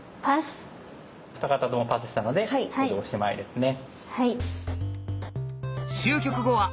二方ともパスしたのでこれでおしまいですね。